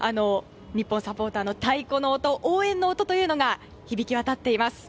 日本サポーターの太鼓の音応援の音というのが響き渡っています。